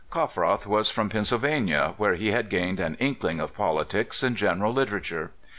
Coffroth was from Pennsylvania, where he had gained an inkling of politics and general literature.